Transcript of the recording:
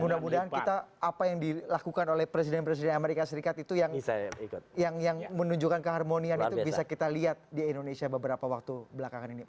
mudah mudahan kita apa yang dilakukan oleh presiden presiden amerika serikat itu yang menunjukkan keharmonian itu bisa kita lihat di indonesia beberapa waktu belakangan ini